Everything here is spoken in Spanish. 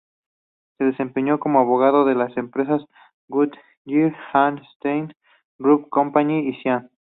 Se desempeñó como abogado de las empresas Goodyear, United States Rubber Company y Siam.